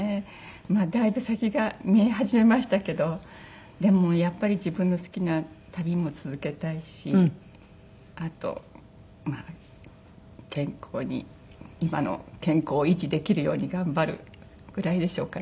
まあだいぶ先が見え始めましたけどでもやっぱり自分の好きな旅も続けたいしあとまあ健康に今の健康を維持できるように頑張るぐらいでしょうかね。